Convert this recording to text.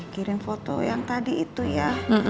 kirim foto yang tadi itu ya